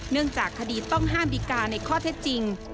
เนื่องจากคดีต้องห้ามดีการ์ในข้อเท็จจริง